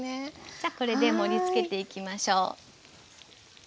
じゃあこれで盛りつけていきましょう。